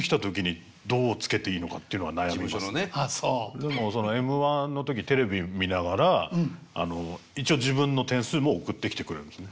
でもその「Ｍ−１」の時テレビ見ながら一応自分の点数も送ってきてくれるんですね。